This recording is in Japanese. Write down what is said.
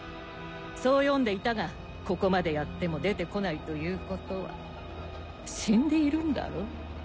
そう読んでいたがここまでやっても出てこないということは死んでいるんだろ？